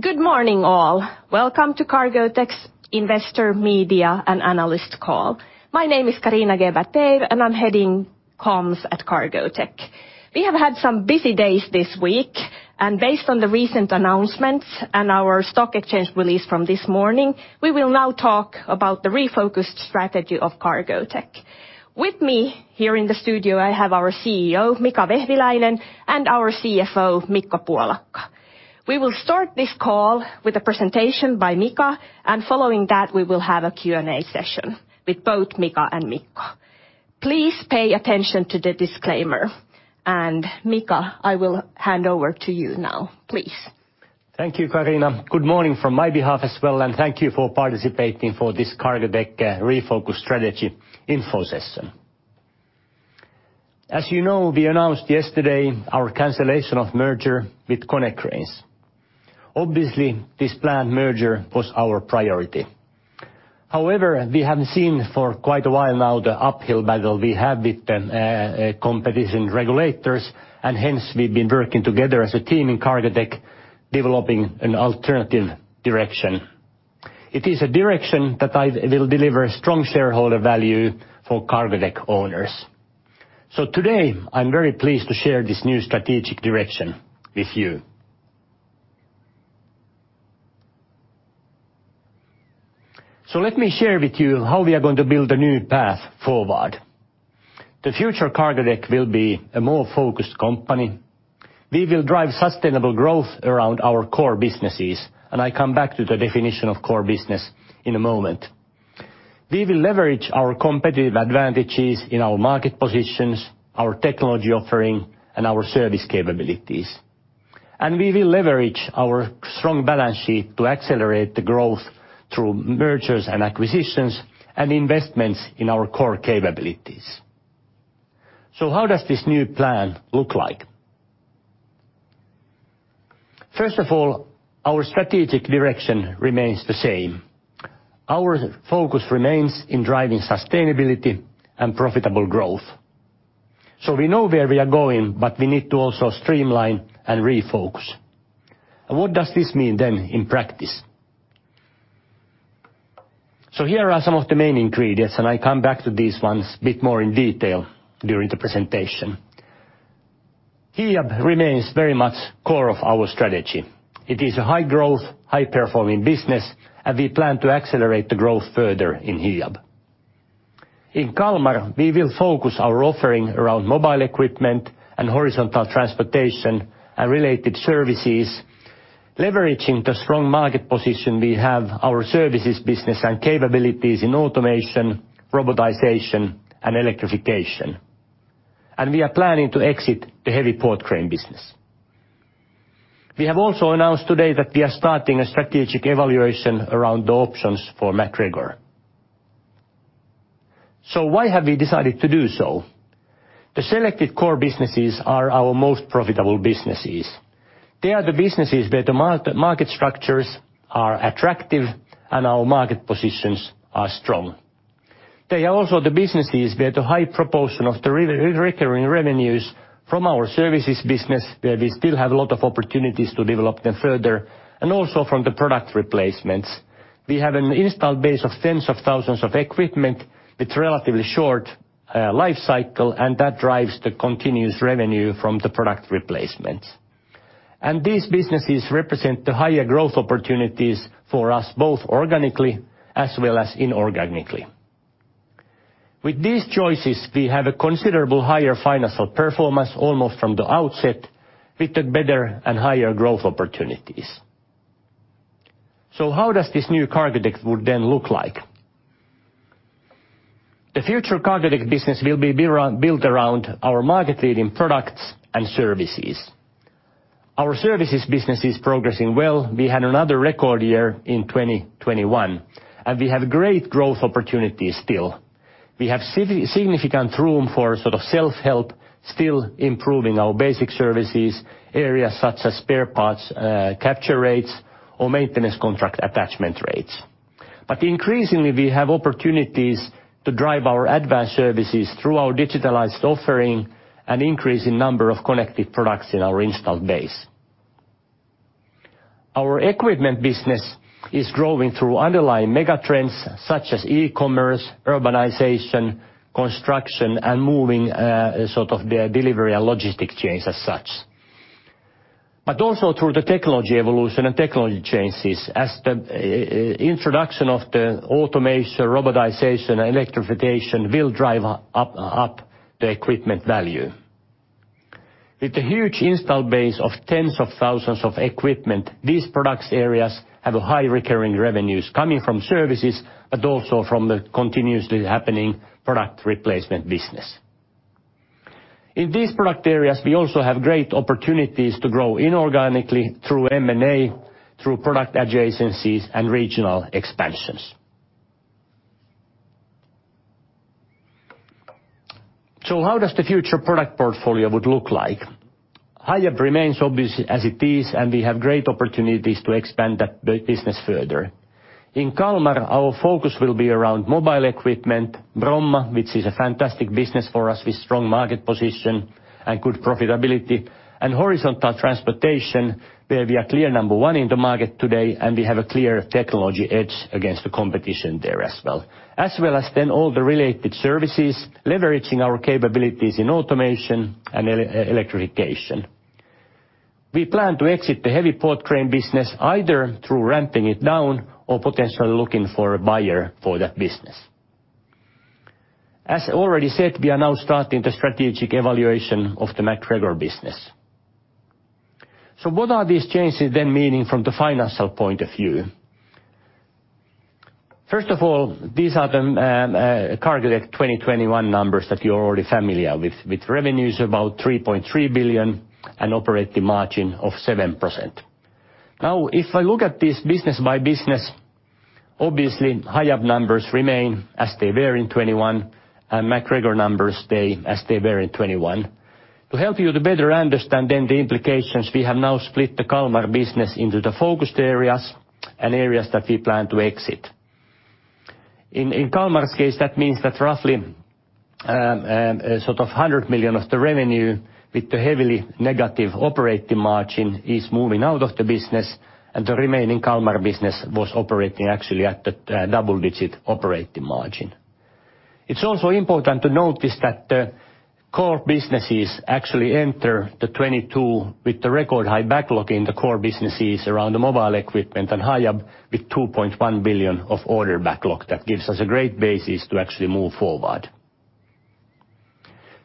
Good morning, all. Welcome to Cargotec's investor, media, and analyst call. My name is Carina Geber-Teir, and I'm heading comms at Cargotec. We have had some busy days this week, and based on the recent announcements and our stock exchange release from this morning, we will now talk about the refocused strategy of Cargotec. With me here in the studio, I have our CEO, Mika Vehviläinen, and our CFO, Mikko Puolakka. We will start this call with a presentation by Mika, and following that, we will have a Q&A session with both Mika and Mikko. Please pay attention to the disclaimer. Mika, I will hand over to you now, please. Thank you, Carina. Good morning from my behalf as well, and thank you for participating for this Cargotec refocus strategy info session. As you know, we announced yesterday our cancellation of merger with Konecranes. Obviously, this planned merger was our priority. However, we have seen for quite a while now the uphill battle we have with the competition regulators, and hence we've been working together as a team in Cargotec, developing an alternative direction. It is a direction that will deliver strong shareholder value for Cargotec owners. Today, I'm very pleased to share this new strategic direction with you. Let me share with you how we are going to build a new path forward. The future Cargotec will be a more focused company. We will drive sustainable growth around our core businesses, and I come back to the definition of core business in a moment. We will leverage our competitive advantages in our market positions, our technology offering, and our service capabilities, and we will leverage our strong balance sheet to accelerate the growth through mergers and acquisitions and investments in our core capabilities. How does this new plan look like? First of all, our strategic direction remains the same. Our focus remains in driving sustainability and profitable growth. We know where we are going, but we need to also streamline and refocus. What does this mean then in practice? Here are some of the main ingredients, and I come back to these ones a bit more in detail during the presentation. Hiab remains very much core of our strategy. It is a high-growth, high-performing business, and we plan to accelerate the growth further in Hiab. In Kalmar, we will focus our offering around mobile equipment and horizontal transportation and related services, leveraging the strong market position we have, our services business and capabilities in automation, robotization, and electrification. We are planning to exit the heavy port crane business. We have also announced today that we are starting a strategic evaluation around the options for MacGregor. Why have we decided to do so? The selected core businesses are our most profitable businesses. They are the businesses where the market structures are attractive, and our market positions are strong. They are also the businesses where the high proportion of the recurring revenues from our services business, where we still have a lot of opportunities to develop them further, and also from the product replacements. We have an installed base of tens of thousands of equipment with relatively short life cycle, and that drives the continuous revenue from the product replacements. These businesses represent the higher growth opportunities for us, both organically as well as inorganically. With these choices, we have a considerable higher financial performance almost from the outset with the better and higher growth opportunities. How does this new Cargotec would then look like? The future Cargotec business will be built around our market-leading products and services. Our services business is progressing well. We had another record year in 2021, and we have great growth opportunities still. We have significant room for sort of self-help, still improving our basic services, areas such as spare parts, capture rates or maintenance contract attachment rates. Increasingly, we have opportunities to drive our advanced services through our digitalized offering and increase in number of connected products in our installed base. Our equipment business is growing through underlying megatrends such as e-commerce, urbanization, construction, and moving sort of the delivery and logistics chains as such, but also through the technology evolution and technology changes as the introduction of the automation, robotization, electrification will drive up the equipment value. With the huge installed base of tens of thousands of equipment, these product areas have a high recurring revenues coming from services, but also from the continuously happening product replacement business. In these product areas, we also have great opportunities to grow inorganically through M&A, through product adjacencies and regional expansions. How does the future product portfolio would look like? Hiab remains obvious as it is, and we have great opportunities to expand that business further. In Kalmar, our focus will be around mobile equipment, Bromma, which is a fantastic business for us with strong market position and good profitability, and horizontal transportation, where we are clear number one in the market today, and we have a clear technology edge against the competition there as well. As well as then all the related services, leveraging our capabilities in automation and electrification. We plan to exit the heavy port crane business either through ramping it down or potentially looking for a buyer for that business. As already said, we are now starting the strategic evaluation of the MacGregor business. What are these changes then meaning from the financial point of view? First of all, these are the Cargotec 2021 numbers that you're already familiar with revenues about 3.3 billion and operating margin of 7%. Now, if I look at this business by business, obviously, Hiab numbers remain as they were in 2021, and MacGregor numbers stay as they were in 2021. To help you to better understand then the implications, we have now split the Kalmar business into the focused areas and areas that we plan to exit. In Kalmar's case, that means that roughly, sort of 100 million of the revenue with the heavily negative operating margin is moving out of the business, and the remaining Kalmar business was operating actually at the double-digit operating margin. It's also important to notice that the core businesses actually enter 2022 with the record high backlog in the core businesses around the mobile equipment and Hiab with 2.1 billion of order backlog. That gives us a great basis to actually move forward.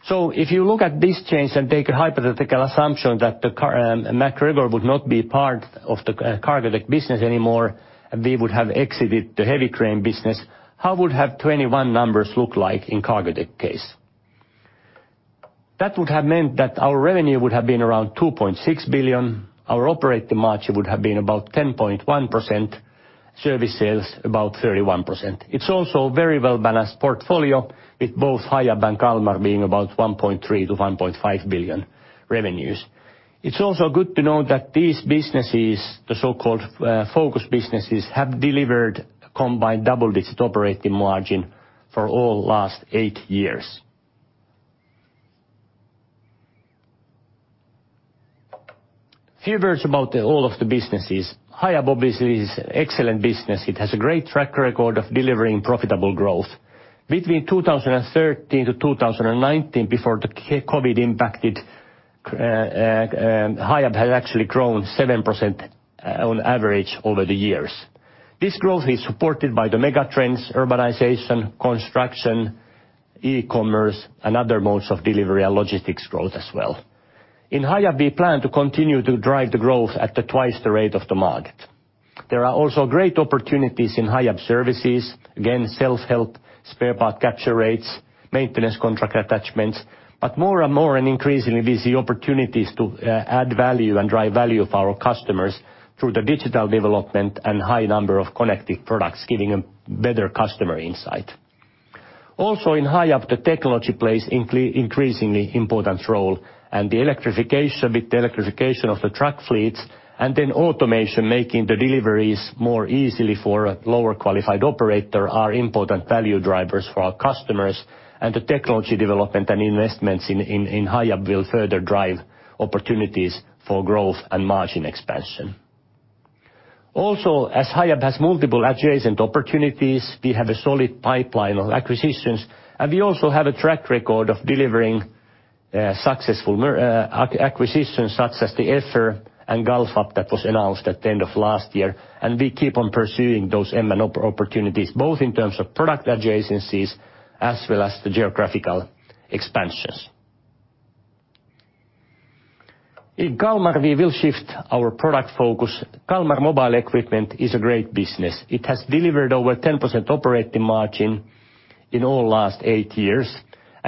If you look at this change and take a hypothetical assumption that the Cargotec, MacGregor would not be part of the Cargotec business anymore, we would have exited the heavy crane business. How would 2021 numbers look like in Cargotec case? That would have meant that our revenue would have been around 2.6 billion. Our operating margin would have been about 10.1%. Service sales, about 31%. It's also very well-balanced portfolio with both Hiab and Kalmar being about 1.3-1.5 billion revenues. It's also good to know that these businesses, the so-called focus businesses, have delivered a combined double-digit operating margin for the last eight years. Few words about all of the businesses. Hiab obviously is excellent business. It has a great track record of delivering profitable growth. Between 2013 and 2019, before COVID impacted, Hiab had actually grown 7% on average over the years. This growth is supported by the mega trends, urbanization, construction, e-commerce, and other modes of delivery and logistics growth as well. In Hiab, we plan to continue to drive the growth at twice the rate of the market. There are also great opportunities in Hiab services, again, self-help, spare part capture rates, maintenance contract attachments. More and more and increasingly, we see opportunities to add value and drive value for our customers through the digital development and high number of connected products, giving them better customer insight. Also, in Hiab, the technology plays increasingly important role, and the electrification of the truck fleets, and then automation, making the deliveries more easily for a lower qualified operator, are important value drivers for our customers. The technology development and investments in Hiab will further drive opportunities for growth and margin expansion. Also, as Hiab has multiple adjacent opportunities, we have a solid pipeline of acquisitions, and we also have a track record of delivering successful acquisitions, such as the Effer and Galfab that was announced at the end of last year. We keep on pursuing those M&A opportunities, both in terms of product adjacencies as well as the geographical expansions. In Kalmar, we will shift our product focus. Kalmar Mobile Equipment is a great business. It has delivered over 10% operating margin in all last eight years,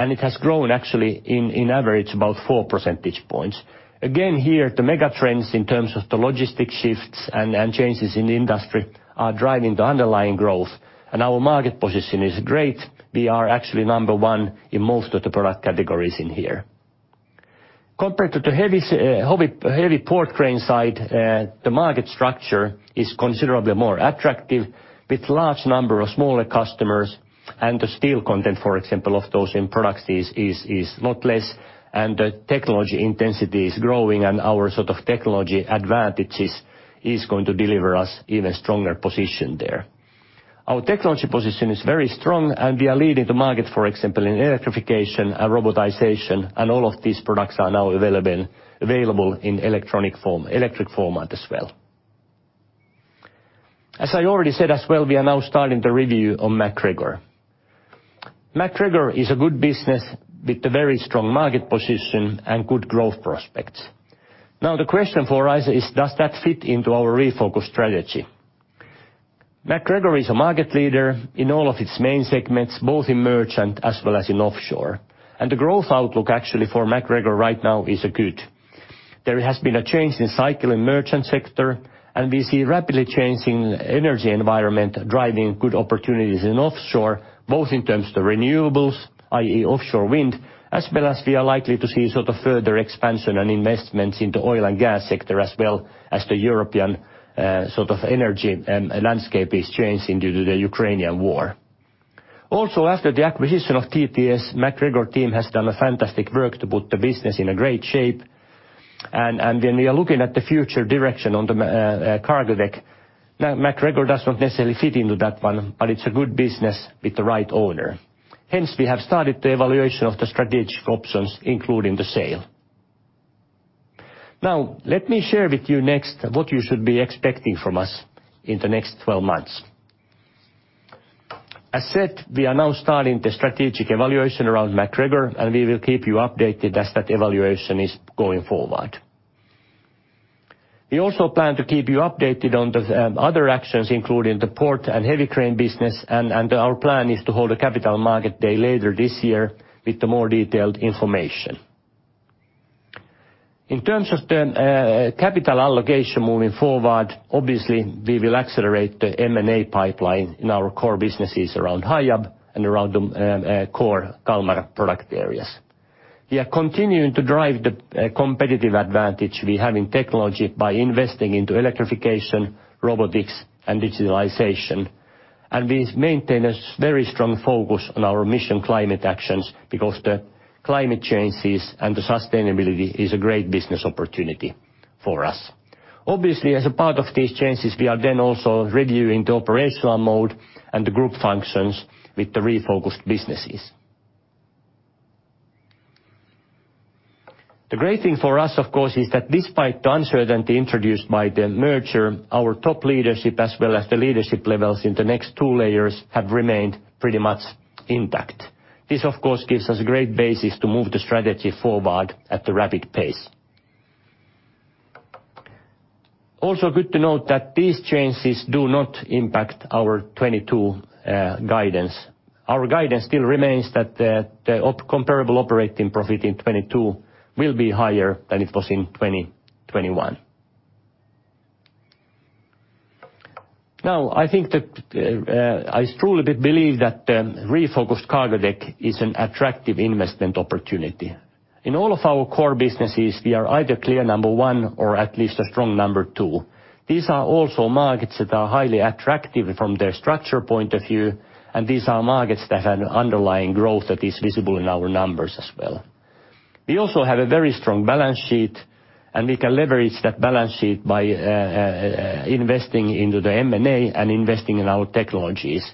and it has grown actually in average about four percentage points. Again, here, the mega trends in terms of the logistic shifts and changes in the industry are driving the underlying growth, and our market position is great. We are actually number one in most of the product categories in here. Compared to the heavy port crane side, the market structure is considerably more attractive with large number of smaller customers and the steel content, for example, of those in products is a lot less and the technology intensity is growing and our sort of technology advantages is going to deliver us even stronger position there. Our technology position is very strong, and we are leading the market, for example, in electrification and robotization, and all of these products are now available in electronic form, electric format as well. As I already said as well, we are now starting the review on MacGregor. MacGregor is a good business with a very strong market position and good growth prospects. Now, the question for us is, does that fit into our refocused strategy? MacGregor is a market leader in all of its main segments, both in merchant as well as in offshore. The growth outlook actually for MacGregor right now is good. There has been a change in cycle in merchant sector, and we see rapidly changing energy environment driving good opportunities in offshore, both in terms of renewables, i.e. offshore wind, as well as we are likely to see sort of further expansion and investments in the oil and gas sector as well as the European sort of energy landscape is changing due to the Ukrainian war. Also, after the acquisition of TTS, MacGregor team has done a fantastic work to put the business in a great shape. When we are looking at the future direction on the Cargotec, now MacGregor does not necessarily fit into that one, but it's a good business with the right owner. Hence, we have started the evaluation of the strategic options, including the sale. Now, let me share with you next what you should be expecting from us in the next 12 months. As said, we are now starting the strategic evaluation around MacGregor, and we will keep you updated as that evaluation is going forward. We also plan to keep you updated on the other actions, including the port and heavy crane business, and our plan is to hold a Capital Markets Day later this year with the more detailed information. In terms of the capital allocation moving forward, obviously we will accelerate the M&A pipeline in our core businesses around Hiab and around core Kalmar product areas. We are continuing to drive the competitive advantage we have in technology by investing into electrification, robotics, and digitalization. We maintain a very strong focus on our Mission Climate actions because the climate changes and the sustainability is a great business opportunity for us. Obviously, as a part of these changes, we are then also reviewing the operational mode and the group functions with the refocused businesses. The great thing for us, of course, is that despite the uncertainty introduced by the merger, our top leadership, as well as the leadership levels in the next two layers, have remained pretty much intact. This, of course, gives us great basis to move the strategy forward at the rapid pace. Also good to note that these changes do not impact our 2022 guidance. Our guidance still remains that the comparable operating profit in 2022 will be higher than it was in 2021. Now, I think that I strongly believe that refocused Cargotec is an attractive investment opportunity. In all of our core businesses, we are either clear number one or at least a strong number two. These are also markets that are highly attractive from their structure point of view, and these are markets that have an underlying growth that is visible in our numbers as well. We also have a very strong balance sheet, and we can leverage that balance sheet by investing into the M&A and investing in our technologies.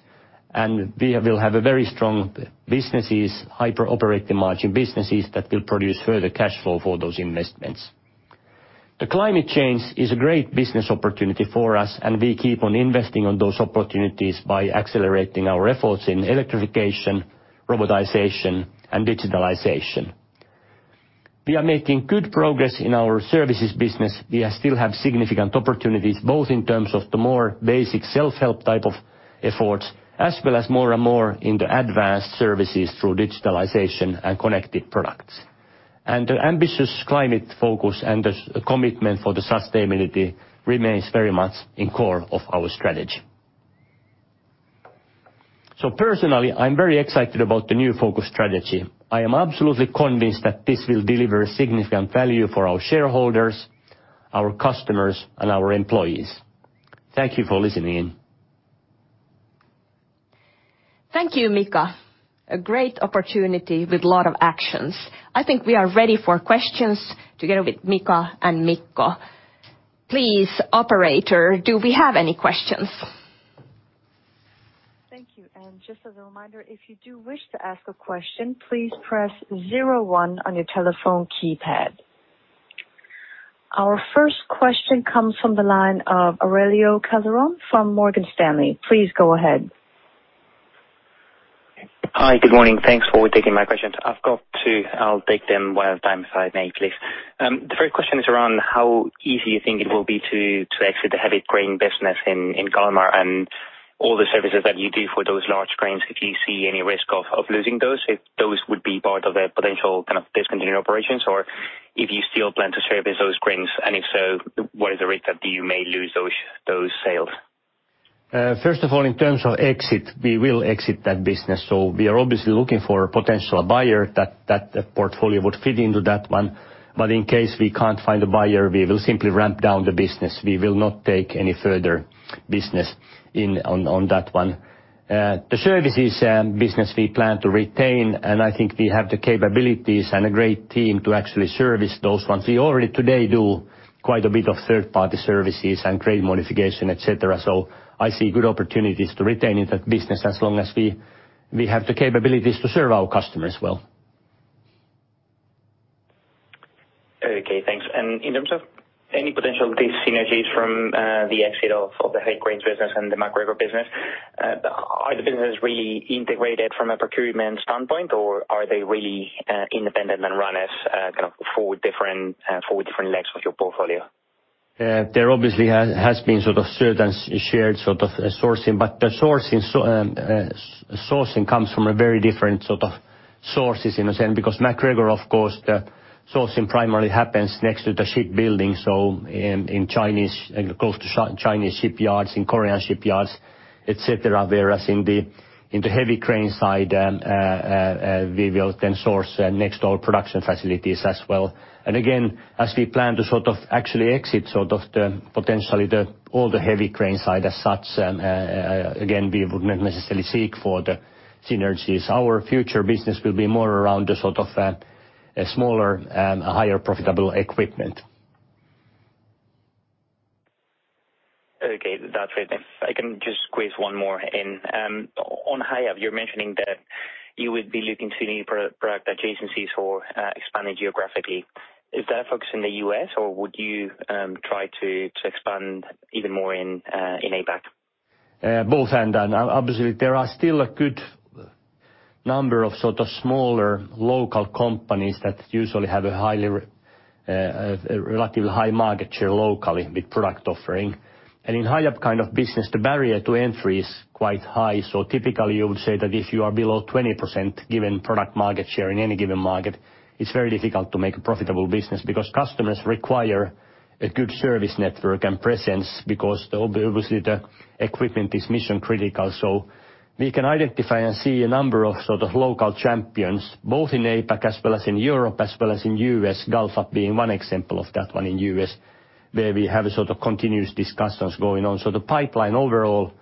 We will have a very strong businesses, high operating margin businesses that will produce further cash flow for those investments. The climate change is a great business opportunity for us, and we keep on investing on those opportunities by accelerating our efforts in electrification, robotization, and digitalization. We are making good progress in our services business. We still have significant opportunities, both in terms of the more basic self-help type of efforts, as well as more and more in the advanced services through digitalization and connected products. The ambitious climate focus and the strong commitment for the sustainability remains very much in core of our strategy. Personally, I'm very excited about the new focus strategy. I am absolutely convinced that this will deliver significant value for our shareholders, our customers, and our employees. Thank you for listening in. Thank you, Mika. A great opportunity with a lot of actions. I think we are ready for questions together with Mika and Mikko. Please, operator, do we have any questions? Thank you. Just as a reminder, if you do wish to ask a question, please press zero one on your telephone keypad. Our first question comes from the line of Aurelio Calderon from Morgan Stanley. Please go ahead. Hi, good morning. Thanks for taking my questions. I've got two. I'll take them one at a time, if I may please. The first question is around how easy you think it will be to exit the heavy crane business in Kalmar and all the services that you do for those large cranes, if you see any risk of losing those, if those would be part of a potential kind of discontinued operations, or if you still plan to service those cranes. If so, what is the risk that you may lose those sales? First of all, in terms of exit, we will exit that business. We are obviously looking for a potential buyer that portfolio would fit into that one. In case we can't find a buyer, we will simply ramp down the business. We will not take any further business in, on that one. The services business we plan to retain, and I think we have the capabilities and a great team to actually service those ones. We already today do quite a bit of third-party services and trade modification, et cetera. I see good opportunities to retain in that business as long as we have the capabilities to serve our customers well. Okay, thanks. In terms of any potential dis-synergies from the exit of the heavy cranes business and the MacGregor business, are the businesses really integrated from a procurement standpoint, or are they really independent and run as kind of four different legs of your portfolio? There obviously has been sort of certain shared sort of sourcing, but the sourcing comes from a very different sort of sources in a sense, because MacGregor, of course, the sourcing primarily happens next to the shipbuilding, in China, close to Chinese shipyards, in Korean shipyards, et cetera. Whereas in the heavy crane side, we will then source next to our production facilities as well. Again, as we plan to sort of actually exit sort of the potentially all the heavy crane side as such, we would not necessarily seek for the synergies. Our future business will be more around the sort of a smaller higher profitable equipment. If I can just squeeze one more in. On Hiab, you're mentioning that you would be looking to new product adjacencies or expanding geographically. Is that a focus in the U.S. or would you try to expand even more in APAC? Both and obviously there are still a good number of sort of smaller local companies that usually have a relatively high market share locally with product offering. In Hiab kind of business, the barrier to entry is quite high. Typically you would say that if you are below 20% given product market share in any given market, it is very difficult to make a profitable business. Customers require a good service network and presence because obviously the equipment is mission-critical. We can identify and see a number of sort of local champions, both in APAC as well as in Europe as well as in U.S., Galfab being one example of that one in U.S., where we have a sort of continuous discussions going on. The pipeline overall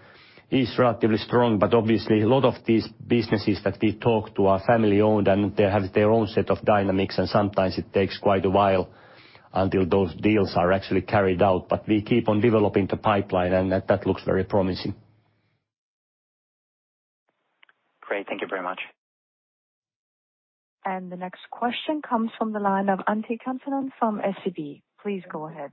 is relatively strong, but obviously a lot of these businesses that we talk to are family-owned, and they have their own set of dynamics and sometimes it takes quite a while until those deals are actually carried out. We keep on developing the pipeline, and that looks very promising. Great. Thank you very much. The next question comes from the line of Antti Kansanen from SEB. Please go ahead.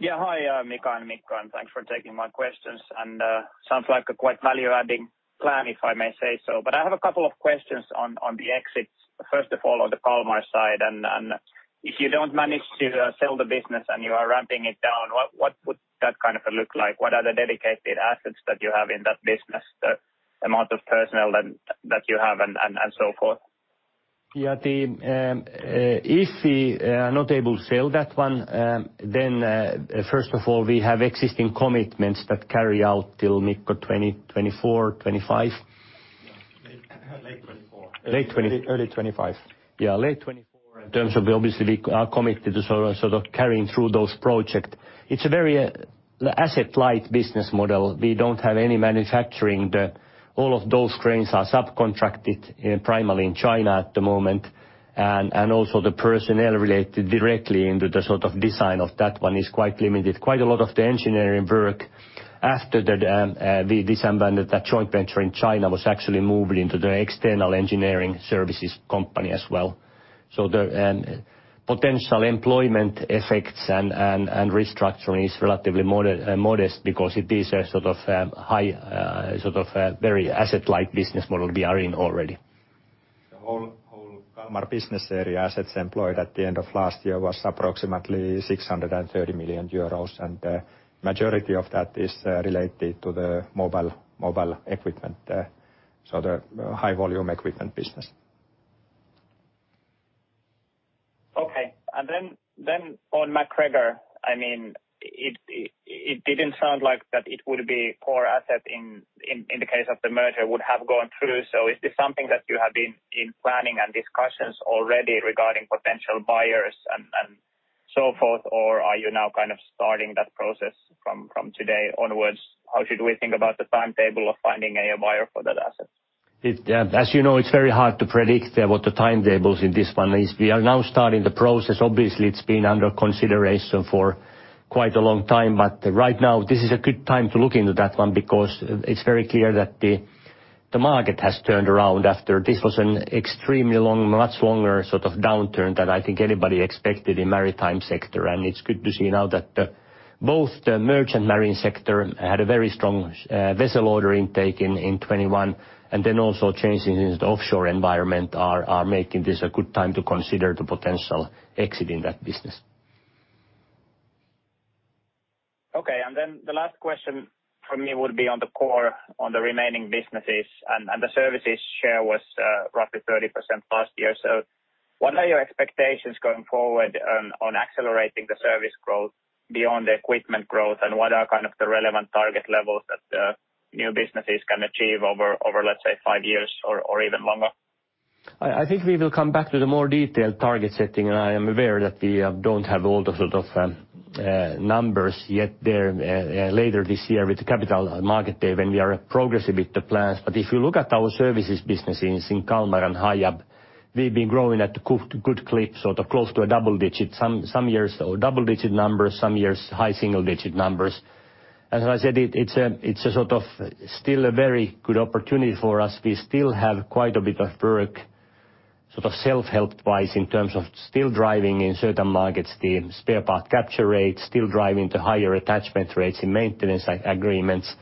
Yeah. Hi, Mika and Mikko, thanks for taking my questions. Sounds like a quite value-adding plan, if I may say so. I have a couple of questions on the exits, first of all, on the Kalmar side. If you don't manage to sell the business and you are ramping it down, what would that kind of look like? What are the dedicated assets that you have in that business, the amount of personnel that you have and so forth? Yeah, if we are not able to sell that one, then first of all, we have existing commitments that carry out till 2024, 2025. Late 2024. Late 20- Early 2025. Yeah, late 2024 in terms of obviously we are committed to sort of carrying through those projects. It's a very asset-light business model. We don't have any manufacturing. All of those cranes are subcontracted primarily in China at the moment, and also the personnel related directly to the sort of design of that one is quite limited. Quite a lot of the engineering work, after that we disbanded that joint venture in China, was actually moved into the external engineering services company as well. The potential employment effects and restructuring is relatively modest because it is a sort of high, very asset-light business model we are in already. The whole Kalmar business area assets employed at the end of last year was approximately 630 million euros, and majority of that is related to the mobile equipment, so the high volume equipment business. Okay. On MacGregor, I mean, it didn't sound like it would be core asset in the case of the merger would have gone through. Is this something that you have been in planning and discussions already regarding potential buyers and so forth, or are you now kind of starting that process from today onwards? How should we think about the timetable of finding a buyer for that asset? As you know, it's very hard to predict what the timetables in this one is. We are now starting the process. Obviously, it's been under consideration for quite a long time, but right now, this is a good time to look into that one because it's very clear that the market has turned around after this was an extremely long, much longer sort of downturn than I think anybody expected in maritime sector. It's good to see now that both the merchant marine sector had a very strong vessel order intake in 2021, and then also changes in the offshore environment are making this a good time to consider the potential exit in that business. Okay. Then the last question from me would be on the core, on the remaining businesses. The services share was roughly 30% last year. What are your expectations going forward on accelerating the service growth beyond the equipment growth, and what are kind of the relevant target levels that new businesses can achieve over, let's say, five years or even longer? I think we will come back to the more detailed target setting. I am aware that we don't have all the sort of numbers yet there later this year with the Capital Markets Day when we are progressing with the plans. If you look at our services businesses in Kalmar and Hiab, we've been growing at a good clip, sort of close to a double digit some years or double-digit numbers, some years high single-digit numbers. As I said, it's sort of still a very good opportunity for us. We still have quite a bit of work, sort of self-help wise, in terms of still driving in certain markets, the spare part capture rates, still driving to higher attachment rates in maintenance agreements.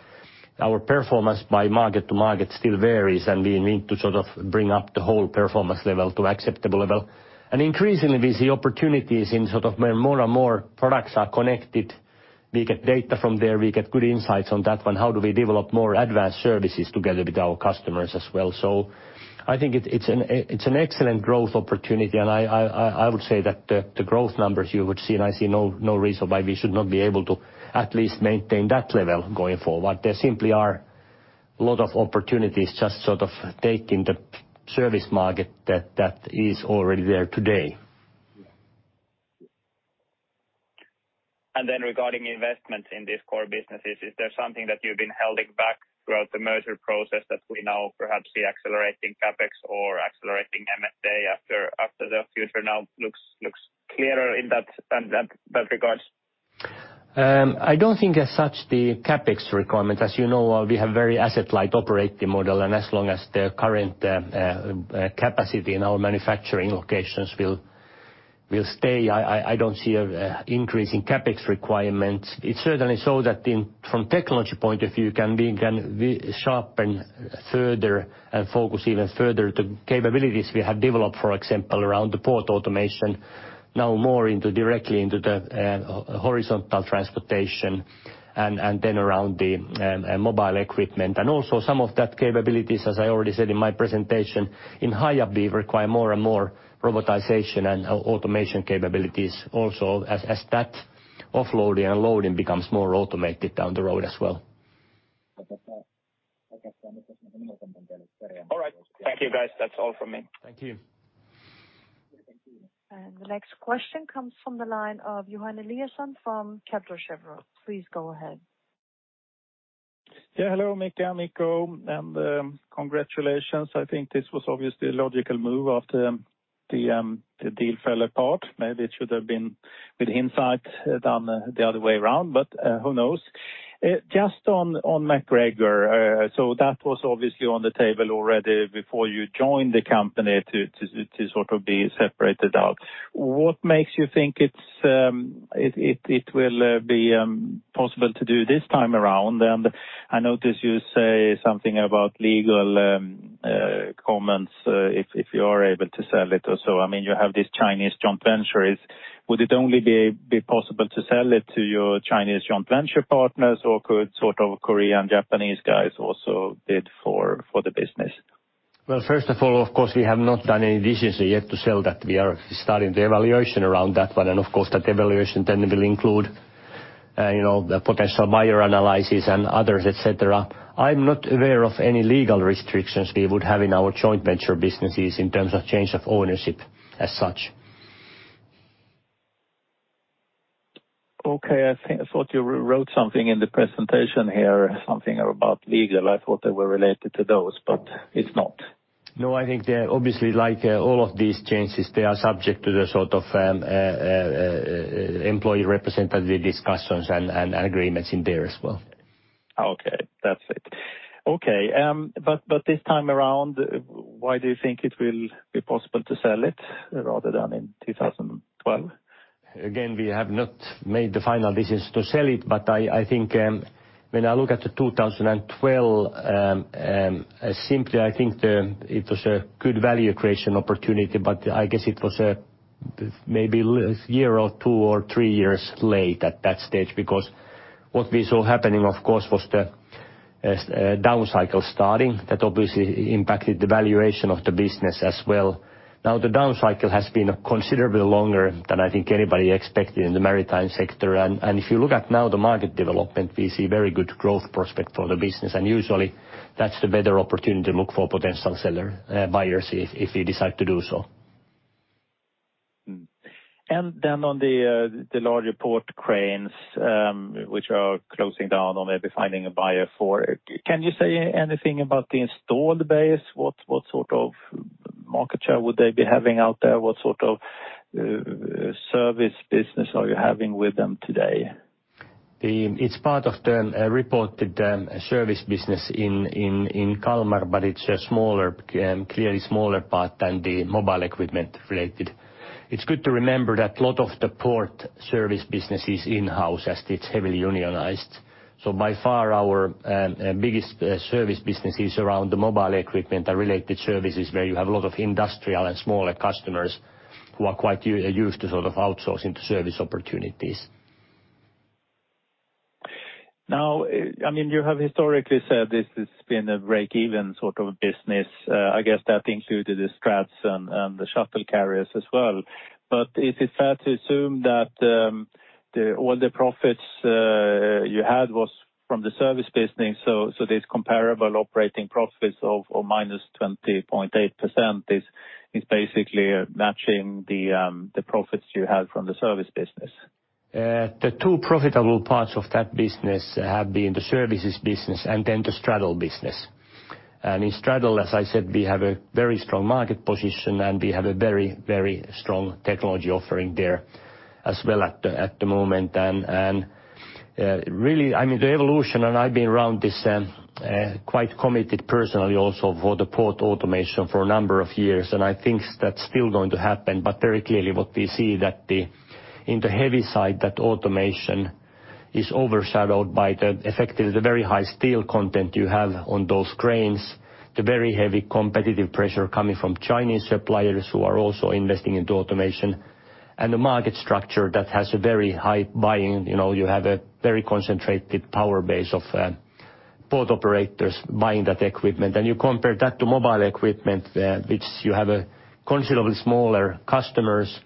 Our performance by market to market still varies, and we need to sort of bring up the whole performance level to acceptable level. Increasingly, we see opportunities in sort of where more and more products are connected. We get data from there, we get good insights on that one. How do we develop more advanced services together with our customers as well? I think it's an excellent growth opportunity, and I would say that the growth numbers you would see, and I see no reason why we should not be able to at least maintain that level going forward. There simply are a lot of opportunities just sort of taking the service market that is already there today. Yeah. Then regarding investments in these core businesses, is there something that you've been holding back throughout the merger process that we now perhaps see accelerating CapEx or accelerating M&A after the future now looks clearer in that regards? I don't think as such the CapEx requirement. As you know, we have very asset-light operating model, and as long as the current capacity in our manufacturing locations will stay, I don't see an increase in CapEx requirements. It's certainly so that in from technology point of view can be sharpened further and focus even further the capabilities we have developed, for example, around the port automation now more into directly into the horizontal transportation and then around the mobile equipment. Some of that capabilities, as I already said in my presentation, in Hiab we require more and more robotization and automation capabilities also as that offloading and loading becomes more automated down the road as well. All right. Thank you, guys. That's all from me. Thank you. The next question comes from the line of Johan Eliason from Kepler Cheuvreux. Please go ahead. Yeah. Hello, Mika and Mikko, and congratulations. I think this was obviously a logical move after the deal fell apart. Maybe it should have been with Hiab done the other way around, but who knows? Just on MacGregor. So that was obviously on the table already before you joined the company to sort of be separated out. What makes you think it will be possible to do this time around? I noticed you say something about legal comments if you are able to sell it also. I mean, you have these Chinese joint ventures. Would it only be possible to sell it to your Chinese joint venture partners, or could sort of Korean, Japanese guys also bid for the business? Well, first of all, of course, we have not done any decisions yet to sell that. We are starting the evaluation around that one. Of course, that evaluation then will include, you know, the potential buyer analysis and others, et cetera. I'm not aware of any legal restrictions we would have in our joint venture businesses in terms of change of ownership as such. Okay. I think I thought you wrote something in the presentation here, something about legal. I thought they were related to those, but it's not. No, I think they're obviously like all of these changes, they are subject to the sort of employee representative discussions and agreements in there as well. This time around, why do you think it will be possible to sell it rather than in 2012? Again, we have not made the final decision to sell it. I think when I look at 2012, I simply think it was a good value creation opportunity. I guess it was maybe a year or two or three years late at that stage, because what we saw happening, of course, was the downcycle starting that obviously impacted the valuation of the business as well. Now, the downcycle has been considerably longer than I think anybody expected in the maritime sector. If you look now at the market development, we see very good growth prospects for the business. Usually that's the better opportunity to look for potential buyers if we decide to do so. On the larger port cranes, which are closing down or maybe finding a buyer for it, can you say anything about the installed base? What sort of market share would they be having out there? What sort of service business are you having with them today? It's part of the reported service business in Kalmar, but it's a smaller, clearly smaller part than the mobile equipment related. It's good to remember that a lot of the port service business is in-house as it's heavily unionized. By far our biggest service business is around the mobile equipment and related services, where you have a lot of industrial and smaller customers who are quite used to sort of outsourcing to service opportunities. Now, I mean, you have historically said this has been a break-even sort of business. I guess that included the strats and the shuttle carriers as well. Is it fair to assume that all the profits you had was from the service business, so this comparable operating profits of -20.8% is basically matching the profits you have from the service business? The two profitable parts of that business have been the services business and then the straddle business. In straddle, as I said, we have a very strong market position, and we have a very, very strong technology offering there as well at the moment. Really, I mean, the evolution, and I've been around this quite committed personally also for the port automation for a number of years, and I think that's still going to happen. Very clearly what we see that in the heavy side, that automation is overshadowed by the effect of the very high steel content you have on those cranes. The very heavy competitive pressure coming from Chinese suppliers who are also investing into automation and the market structure that has a very high buying. You know, you have a very concentrated power base of port operators buying that equipment. You compare that to mobile equipment, which you have considerably smaller customers,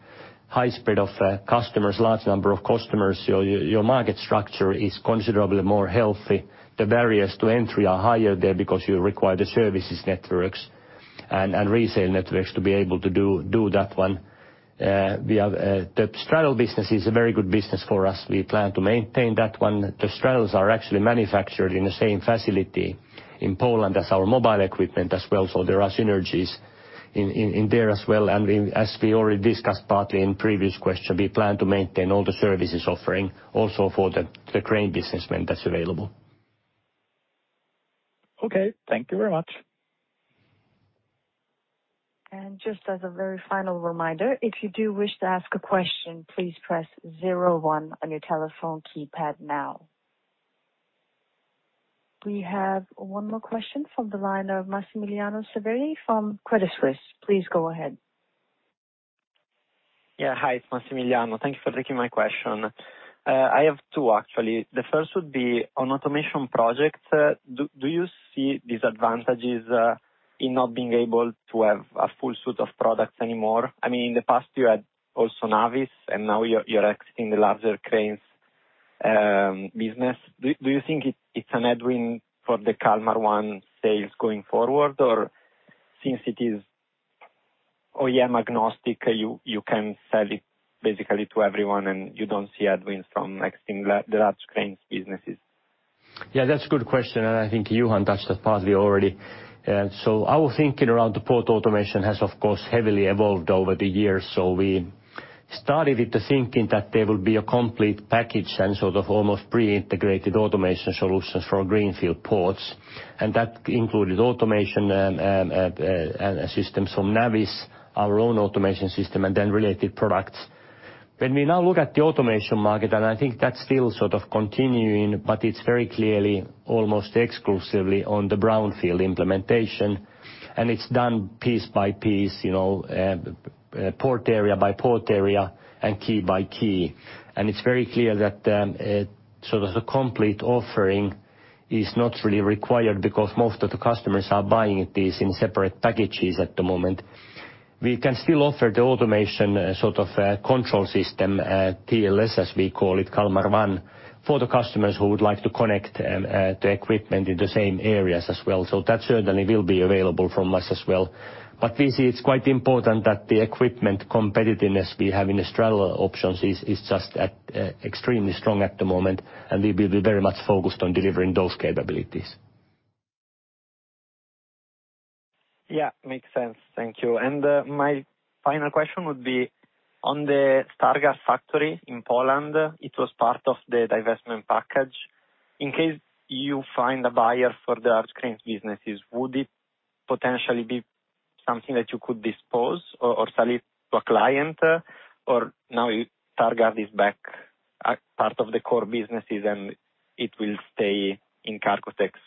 high spread of customers, large number of customers. Your market structure is considerably more healthy. The barriers to entry are higher there because you require the services networks and resale networks to be able to do that one. The straddle business is a very good business for us. We plan to maintain that one. The straddles are actually manufactured in the same facility in Poland as our mobile equipment as well. There are synergies in there as well. We, as we already discussed partly in previous question, we plan to maintain all the services offering also for the crane business when that's available. Okay. Thank you very much. Just as a very final reminder, if you do wish to ask a question, please press zero one on your telephone keypad now. We have one more question from the line of Massimiliano Severi from Credit Suisse. Please go ahead. Yeah. Hi, it's Massimiliano. Thank you for taking my question. I have two, actually. The first would be on automation projects, do you see disadvantages in not being able to have a full suite of products anymore? I mean, in the past you had also Navis, and now you're exiting the larger cranes business. Do you think it's a headwind for the Kalmar One sales going forward? Or since it is OEM-agnostic, you can sell it basically to everyone and you don't see headwinds from exiting the large cranes businesses? Yeah, that's a good question, and I think Johan touched that partly already. Our thinking around the port automation has, of course, heavily evolved over the years. We started with the thinking that there will be a complete package and sort of almost pre-integrated automation solutions for greenfield ports. That included automation systems from Navis, our own automation system, and then related products. When we now look at the automation market, and I think that's still sort of continuing, but it's very clearly almost exclusively on the brownfield implementation. It's done piece by piece, you know, port area by port area and quay by quay. It's very clear that sort of the complete offering is not really required because most of the customers are buying these in separate packages at the moment. We can still offer the automation sort of control system, TLS as we call it, Kalmar One, for the customers who would like to connect the equipment in the same areas as well. That certainly will be available from us as well. We see it's quite important that the equipment competitiveness we have in the straddle options is just extremely strong at the moment, and we will be very much focused on delivering those capabilities. Yeah. Makes sense. Thank you. My final question would be on the Stargard factory in Poland. It was part of the divestment package. In case you find a buyer for the large cranes businesses, would it potentially be something that you could dispose or sell it to a client? Now Stargard is back as part of the core businesses and it will stay in Cargotec's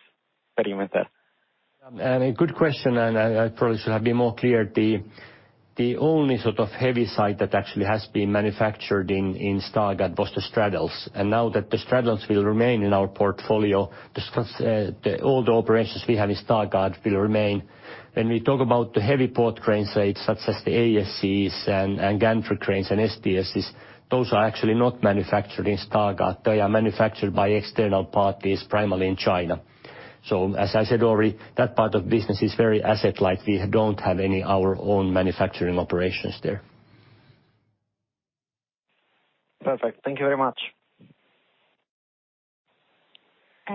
perimeter? A good question. I probably should have been more clear. The only sort of heavy side that actually has been manufactured in Stargard was the straddles. Now that the straddles will remain in our portfolio, all the operations we have in Stargard will remain. When we talk about the heavy port crane side, such as the ASCs and gantry cranes and STSs, those are actually not manufactured in Stargard. They are manufactured by external parties, primarily in China. As I said already, that part of business is very asset-light. We don't have any of our own manufacturing operations there. Perfect. Thank you very much.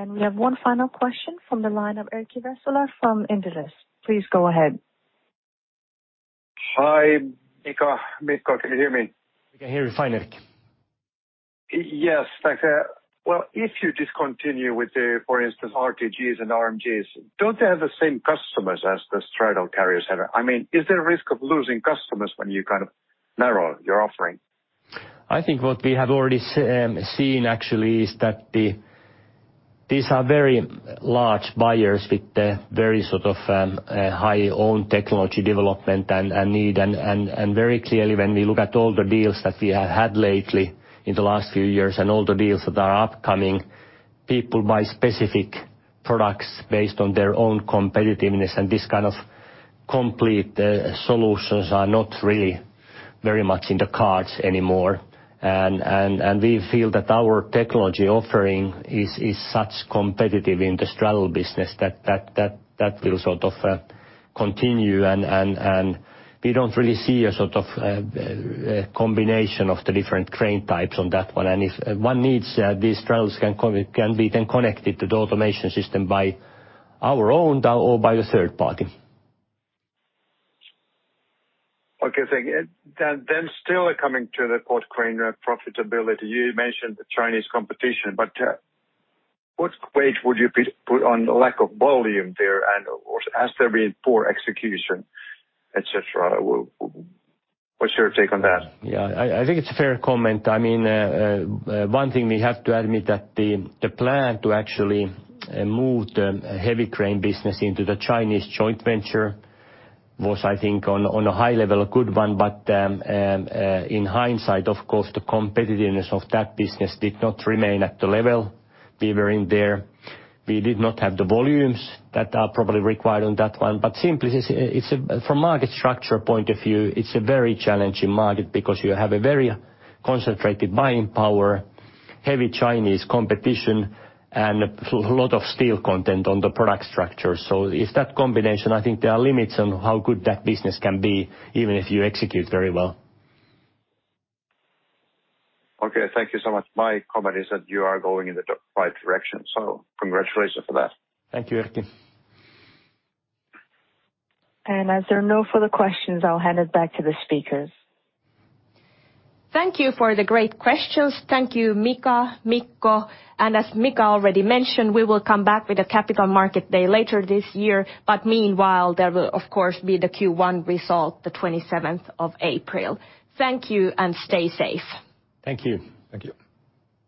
We have one final question from the line of Erkki Vesola from Inderes. Please go ahead. Hi, Mika, Mikko. Can you hear me? We can hear you fine, Erkki. Yes. Thank you. Well, if you discontinue with the, for instance, RTGs and RMGs, don't they have the same customers as the straddle carriers have? I mean, is there a risk of losing customers when you kind of narrow your offering? I think what we have already seen actually is that these are very large buyers with very sort of high own technology development and need and very clearly when we look at all the deals that we have had lately in the last few years and all the deals that are upcoming, people buy specific products based on their own competitiveness. This kind of complete solutions are not really very much in the cards anymore. We feel that our technology offering is such competitive in the straddle business that that will sort of continue and we don't really see a sort of combination of the different crane types on that one. If one needs, these straddles can be then connected to the automation system by our own or by a third party. Okay. Thank you. Still coming to the port crane profitability. You mentioned the Chinese competition, but what weight would you put on lack of volume there, and or has there been poor execution, et cetera? What's your take on that? Yeah. I think it's a fair comment. I mean, one thing we have to admit that the plan to actually move the heavy crane business into the Chinese joint venture was, I think, on a high level, a good one. In hindsight, of course, the competitiveness of that business did not remain at the level we were in there. We did not have the volumes that are probably required on that one. Simply, from market structure point of view, it's a very challenging market because you have a very concentrated buying power, heavy Chinese competition, and a lot of steel content on the product structure. It's that combination. I think there are limits on how good that business can be, even if you execute very well. Okay. Thank you so much. My comment is that you are going in the right direction. Congratulations for that. Thank you, Erkki. As there are no further questions, I'll hand it back to the speakers. Thank you for the great questions. Thank you, Mika, Mikko. As Mika already mentioned, we will come back with a Capital Markets Day later this year. Meanwhile, there will of course, be the Q1 result, the 27th of April. Thank you, and stay safe. Thank you. Thank you.